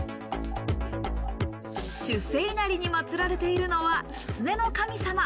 出世稲荷にまつられているのは狐の神様。